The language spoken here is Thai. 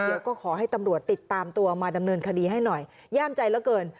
เดี๋ยวก็ขอให้ตำรวจติดตามตัวมาดำเนินคดีให้หน่อยย่ามใจเหลือเกิน